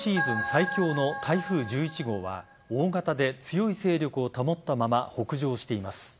最強の台風１１号は大型で強い勢力を保ったまま北上しています。